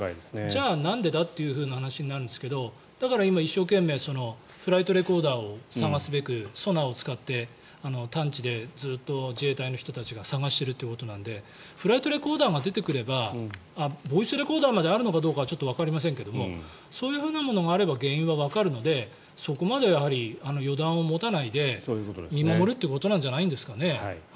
じゃあなんでだって話になるんですがだから今、一生懸命フライトレコーダーを探すべく、ソナーを使って探知でずっと自衛隊の人たちが探しているということなのでフライトレコーダーが出てくればボイスレコーダーまであるかどうかはわかりませんがそういうふうなものがあれば原因はわかるのでそこまでやはり予断を持たないで見守るということなんじゃないですかね。